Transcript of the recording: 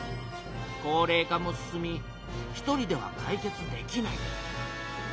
高れい化も進み１人ではかい決できない。